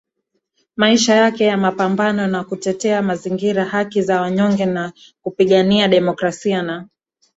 maisha yake ya mapambano ya kutetea mazingira haki za wanyonge na kupigania demokrasia na